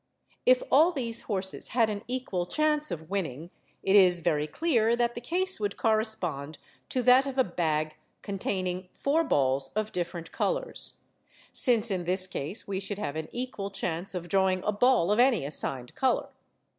If all these horses had an equal chance of winning, it is very clear that the case would correspond to that of a bag containing four balls of different colours; since, in this case, we should have an equal chance of drawing a ball of any assigned colour.